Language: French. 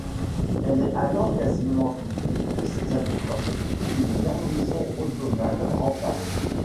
Elle est alors quasiment vidée de ses habitants, qu'une garnison ottomane remplace.